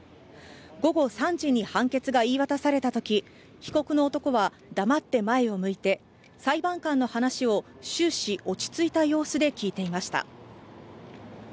午後３時に判決が言い渡されたとき被告の男は黙って前を向いて裁判官の話を終始落ち着いた様子で聞いていました。